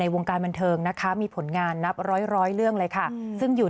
วงการบันเทิงนะคะมีผลงานนับร้อยเรื่องเลยค่ะซึ่งอยู่